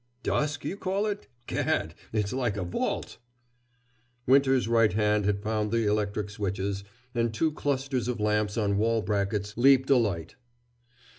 "Dusk, you call it? Gad, it's like a vault!" Winter's right hand had found the electric switches, and two clusters of lamps on wall brackets leaped alight.